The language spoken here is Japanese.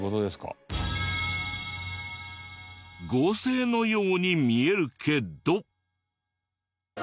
合成のように見えるけど。